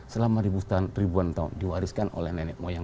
selama ribuan tahun diwariskan oleh nenek moyang